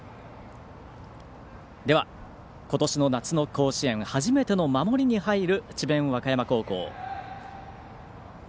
では、ことしの夏の甲子園初めての守りに入る智弁和歌山高校。